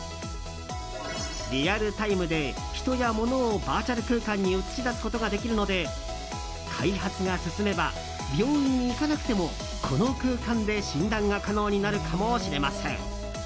リアルタイムで人や物をバーチャル空間に映し出すことができるので開発が進めば病院に行かなくてもこの空間で診断が可能になるかもしれません。